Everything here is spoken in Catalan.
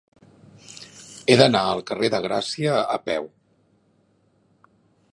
He d'anar al carrer de Gràcia a peu.